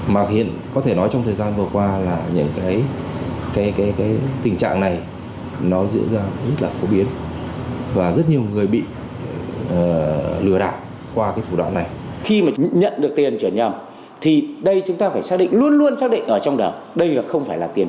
mà hiện có thể nói trong thời gian vừa qua là những cái tình trạng này nó dựa ra rất là khổ biến